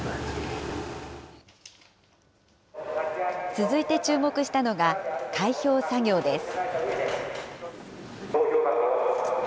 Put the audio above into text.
続いて注目したのが開票作業です。